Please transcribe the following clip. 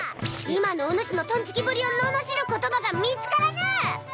今のおぬしのトンチキぶりをののしる言葉が見つからぬ！